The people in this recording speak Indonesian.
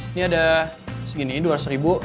ini ada segini dua ratus ribu